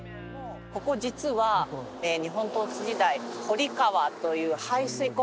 ここ実は日本統治時代堀川という排水溝